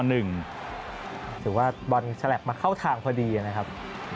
หรือว่าบอลฉลับมาเข้าทางพอดีนะครับ